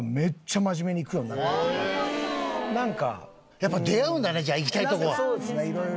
やっぱ出会うんだねじゃあ行きたいとこは。